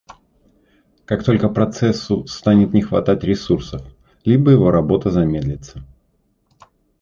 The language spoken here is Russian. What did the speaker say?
Как только процессу станет не хватать ресурсов, либо его работа замедлится